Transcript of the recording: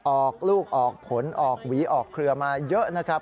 ออกลูกออกผลออกหวีออกเครือมาเยอะนะครับ